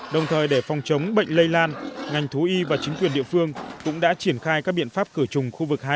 đồng thời để phòng chống bệnh lây lan ngành thú y và chính quyền địa phương cũng đã triển khai các biện pháp cửa chùng khu vực hai lò mổ này